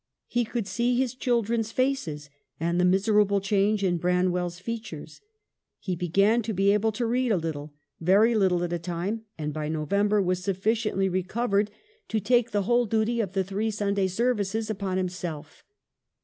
He could see his children's faces, and the miserable change in Branwell's features. He began to be able to read a little, a very little at a time, and by November was sufficiently recovered to take the TROUBLES. 205 whole duty of the three Sunday services upon himself.